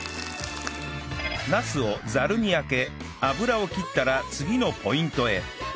ナスをザルにあけ油を切ったら次のポイントへ